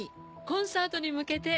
コンサートに向けて。